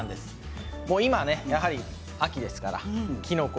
今やはり秋ですからきのこ